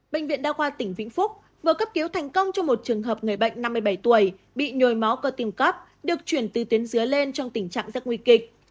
bệnh viện đa khoa tỉnh vĩnh phúc vừa cấp cứu thành công cho một trường hợp người bệnh năm mươi bảy tuổi bị nhồi máu cơ tim cấp được chuyển từ tuyến dưới lên trong tình trạng rất nguy kịch